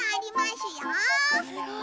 すごい。